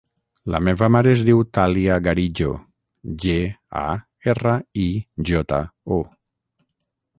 La meva mare es diu Thàlia Garijo: ge, a, erra, i, jota, o.